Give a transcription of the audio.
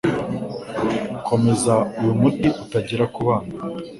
Komeza uyu muti utagera kubana.